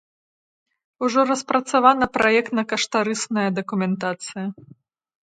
Ужо распрацавана праектна-каштарысная дакументацыя.